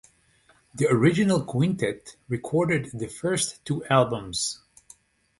The original quintet recorded the first two albums.